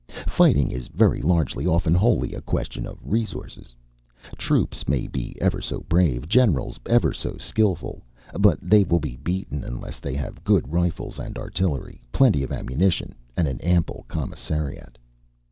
Fighting is very largely, often wholly, a question of resources. Troops may be ever so brave, generals ever so skilful, but they will be beaten unless they have good rifles and artillery, plenty of ammunition, and an ample commissariat.